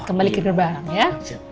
kembali ke gerbang ya